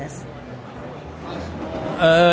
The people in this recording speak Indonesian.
dan saya juga mencari pengetahuan